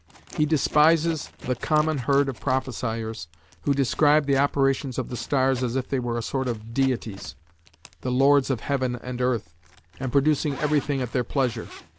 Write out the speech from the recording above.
He despises "The common herd of prophesiers who describe the operations of the stars as if they were a sort of deities, the lords of heaven and earth, and producing everything at their pleasure.